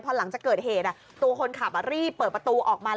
พอหลังจากเกิดเหตุตัวคนขับรีบเปิดประตูออกมา